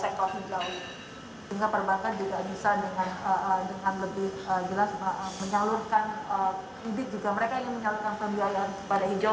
sehingga perbankan juga bisa dengan lebih jelas menyalurkan bibit juga mereka ingin menyalurkan pembiayaan kepada hijau